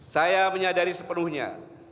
saya menyadari sepenuhnya